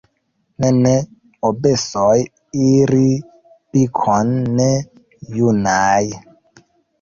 Ne, ne, Obesoj iri Bikon, ne junaj.